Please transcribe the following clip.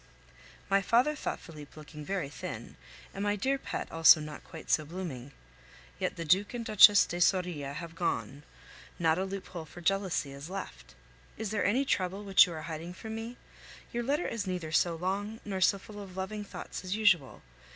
My father thought Felipe looking very thin, and my dear pet also not quite so blooming. Yet the Duc and Duchesse de Soria have gone; not a loophole for jealousy is left! Is there any trouble which you are hiding from me? Your letter is neither so long nor so full of loving thoughts as usual.